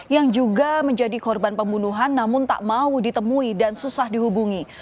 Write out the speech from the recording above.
yang juga menjadi korban pembunuhan namun tak mau ditemui dan susah dihubungi